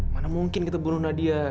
mana mungkin kita bunuh nadia